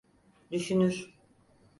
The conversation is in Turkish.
Düşünür.